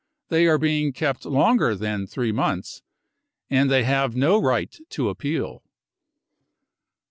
They are being kept longer than three months. And they have no right to appeal.